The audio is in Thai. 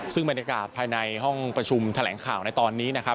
ซึ่งบรรยากาศภายในห้องประชุมแถลงข่าวในตอนนี้นะครับ